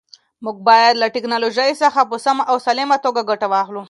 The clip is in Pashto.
موږ باید له ټیکنالوژۍ څخه په سمه او سالمه توګه ګټه واخلو.